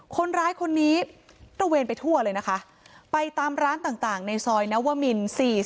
คนร้ายคนนี้ตระเวนไปทั่วเลยนะคะไปตามร้านต่างในซอยนวมิน๔๔